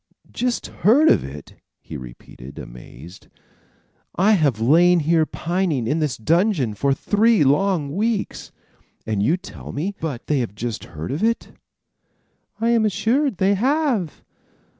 "Just heard of it!" he repeated, amazed. "I have lain here pining in this dungeon for three long weeks, and you tell me they have but just heard of it." "I am assured they have."